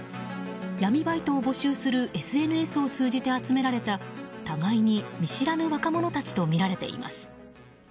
闇バイトを募集するＳＮＳを通じて集められた互いに見知らぬ若者たちとみられています。